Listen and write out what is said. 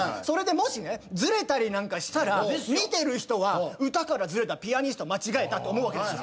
それでもしねずれたりなんかしたら見てる人は歌からずれたピアニスト間違えたと思うわけ。